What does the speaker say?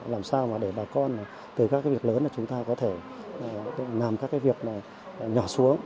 làm sao mà để bà con từ các việc lớn chúng ta có thể làm các việc nhỏ xuống